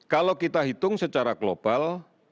kalau kita hitung secara global